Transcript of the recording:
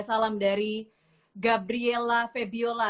salam dari gabriela febiola